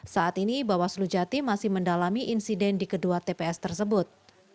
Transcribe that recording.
saat ini bawaslu jati masih mendalami insiden di kedua tps tersebut